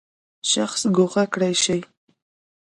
شخص ګوښه کړی شي.